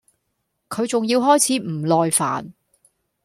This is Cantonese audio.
佢仲要開始唔耐煩